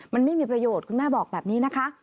มันไม่มีประโยชน์คุณแม่บอกแบบนี้นะคะ